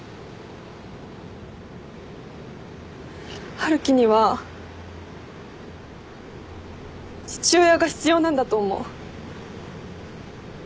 春樹には父親が必要なんだと思う。